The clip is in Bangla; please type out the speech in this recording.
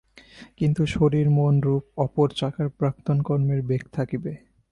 কিন্তু শরীর-মন-রূপ অপর চাকার প্রাক্তন কর্মের বেগ থাকিবে।